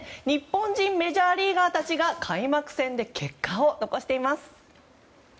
日本人メジャーリーガーたちが開幕戦で結果を残しています。